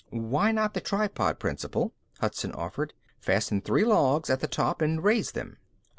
"Why not the tripod principle?" Hudson offered. "Fasten three logs at the top and raise them."